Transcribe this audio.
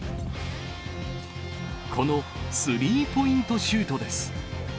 このスリーポイントシュートです。